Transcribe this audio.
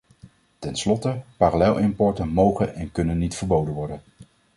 Ten slotte, parallelimporten mogen en kunnen niet verboden worden.